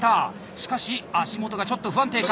しかし足元がちょっと不安定か。